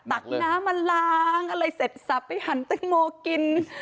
ตักน้ำมาล้างอะไรเสร็จสับไปหันแตงโมกิน